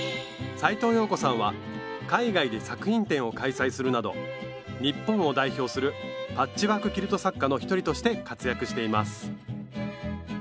斉藤謠子さんは海外で作品展を開催するなど日本を代表するパッチワーク・キルト作家の一人として活躍しています